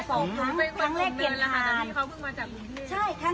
สองครั้งครั้งแรกเปลี่ยนทาน